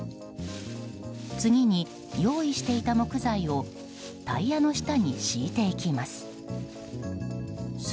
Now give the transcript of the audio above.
次に、用意していた木材をタイヤの下に敷いていきます。